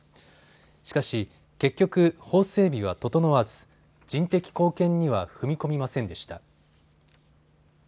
しかし結局、法整備は整わず人的貢献には踏み込みませんでした。